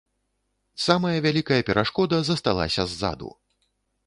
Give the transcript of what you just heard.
Самая вялікая перашкода засталася ззаду.